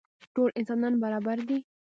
ټول انسانان برابر دي.